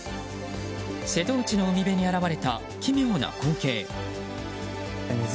瀬戸内の海辺に現れた奇妙な光景。